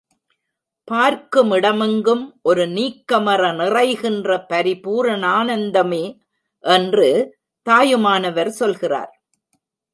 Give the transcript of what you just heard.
பார்க்குமிடம் எங்கும் ஒரு நீக்கமற நிறைகின்ற பரிபூரணானந்தமே என்று தாயுமானவர் சொல்கிறார்.